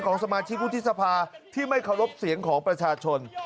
สมาชิกวุฒิสภาที่ไม่เคารพเสียงของประชาชน